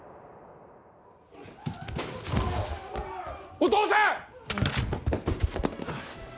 お父さん！